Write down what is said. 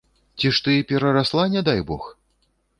Ці ж ты перарасла, не дай бог!